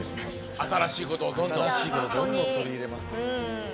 新しいことどんどん取り入れますから。